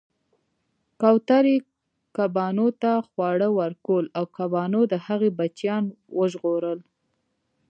کوترې کبانو ته خواړه ورکول او کبانو د هغې بچیان وژغورل